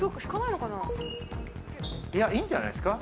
いやいいんじゃないですか